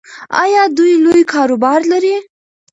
ایا دوی لوی کاروبار لري؟